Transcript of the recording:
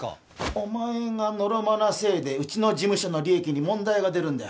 お前がのろまなせいでうちの事務所の利益に問題が出るんだよ